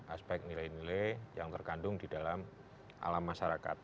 aspek nilai nilai yang terkandung di dalam alam masyarakat